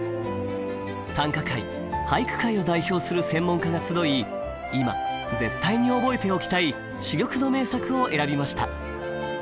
短歌界俳句界を代表する専門家が集い今絶対に覚えておきたい珠玉の名作を選びました。